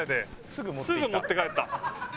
「すぐ持って帰った」